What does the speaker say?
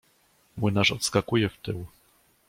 Młynarz odskakuje w tył.